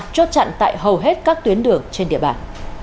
chốt chặn tại hầu hết các tuyến đường trên địa bàn